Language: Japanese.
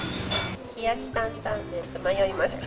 冷やし担々麺と迷いました。